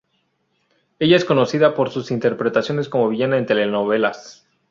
Ella es conocida por sus interpretaciones como villana en telenovelas.